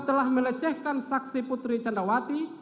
telah melecehkan saksi putri candrawati